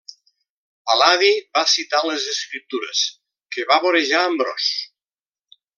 Pal·ladi va citar les Escriptures, que va vorejar Ambròs.